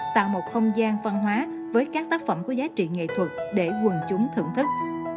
tạo một không gian văn hóa với các tác phẩm có giá trị nghệ thuật để quần chúng thưởng thức